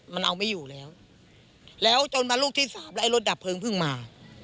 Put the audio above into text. มันเอาไม่อยู่แล้วแล้วจนมาลูกที่สามแล้วไอรถดับเพลิงเพิ่งมา